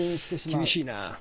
厳しいなあ。